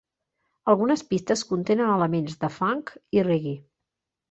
Algunes pistes contenen elements de funk i reggae.